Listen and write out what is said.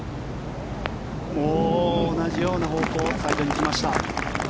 同じような方向サイドに行きました。